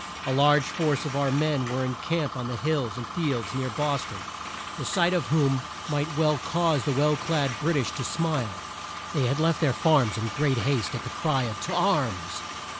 A large force of our men were in camp on the hills and fields near Bos ton, the sight of whom might well cause the well clad Brit ish to smile. They had left their farms in great haste at the cry of "To arms!"